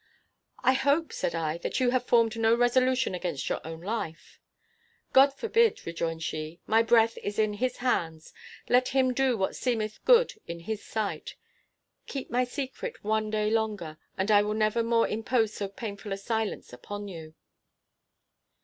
"I hope," said I, "that you have formed no resolution against your own life." "God forbid," rejoined she. "My breath is in his hands; let him do what seemeth good in his sight! Keep my secret one day longer, and I will never more impose so painful a silence upon you."